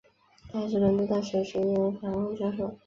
他还是伦敦大学学院访问教授。